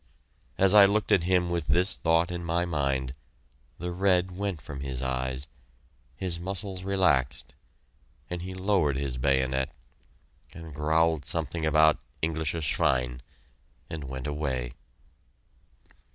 As I looked at him with this thought in my mind the red went from his eyes, his muscles relaxed, and he lowered his bayonet and growled something about "Englishe schwein" and went away.